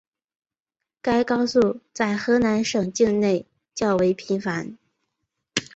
该高速在河南省境内较为繁忙。